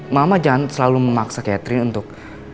mama jangan selalu memaksa catherine untuk